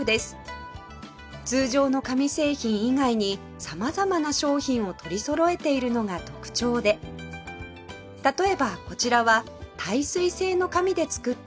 通常の紙製品以外に様々な商品を取りそろえているのが特徴で例えばこちらは耐水性の紙で作った盆栽